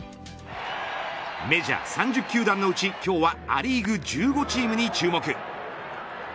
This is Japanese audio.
メジャー３０球団のうち今日はア・リーグ１５チームに注目。